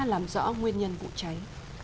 làm rõ nguyên nhân vụ cháy